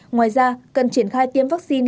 ngoài ra cần triển khai tiêm vaccine